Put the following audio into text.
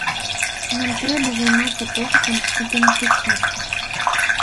Нам трэба займацца пошукам ідэнтычнасці.